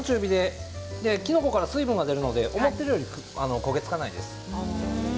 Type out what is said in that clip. きのこから水分が出ますので思ったより焦げ付かないです。